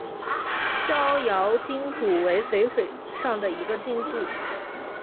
逍遥津古为淝水上的一个津渡。